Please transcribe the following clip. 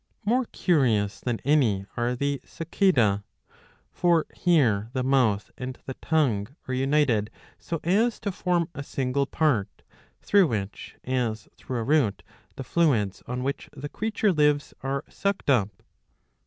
''''^ More curious than any are the Cicadae. For here the mouth and the tongue are united so as to form a single part, through which, as through a root, the fluids on which the creature lives are sucked up.''